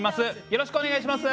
よろしくお願いします。